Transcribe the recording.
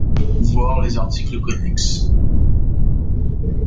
Voir les articles connexes.